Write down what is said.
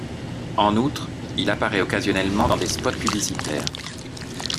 En outre, il apparaît occasionnellement dans des spots publicitaires.